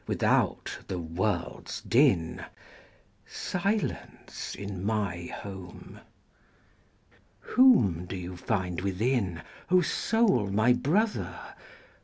Without, the world's din:Silence in my home. Whom do you find within, O Soul, my Brother?